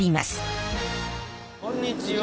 こんにちは。